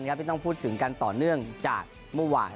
ที่ต้องพูดถึงกันต่อเนื่องจากเมื่อวาน